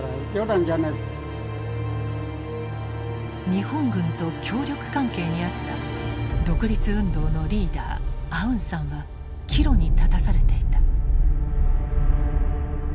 日本軍と協力関係にあった独立運動のリーダーアウンサンは岐路に立たされていた。